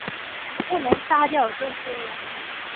不能杀掉这些人